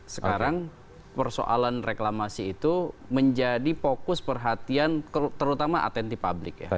sekarang persoalan reklamasi itu menjadi fokus perhatian terutama atensi publik ya